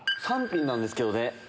３品なんですけどね。